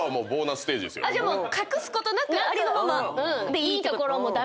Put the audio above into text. じゃあもう隠すことなくありのまま。